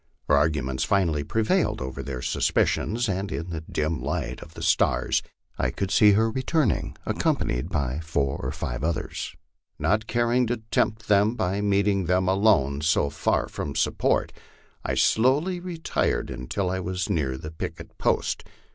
Her arguments finally prevailed over their suspicions, and in the dim light of the stars I could see her returning, accompanied by four or five others. Not caring to tempt them by meeting them alone so far from support, I slowly re tired until I was near the picket post.